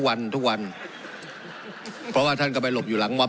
ผมจะขออนุญาตให้ท่านอาจารย์วิทยุซึ่งรู้เรื่องกฎหมายดีเป็นผู้ชี้แจงนะครับ